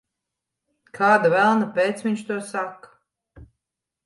Kāda velna pēc viņš to saka?